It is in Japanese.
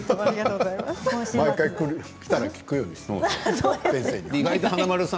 毎回来たら聞くようにします。